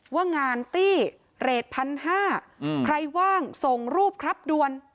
ว่างานตี้เรท๑๕๐๐ใครว่างส่งรูปครับดวน